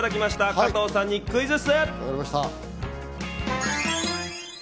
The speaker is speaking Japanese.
加藤さんにクイズッス。